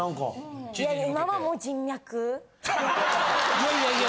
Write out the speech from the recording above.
いや。いやいや。